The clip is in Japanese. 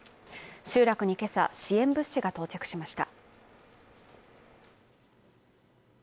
集落に今朝支援物資が到着しました。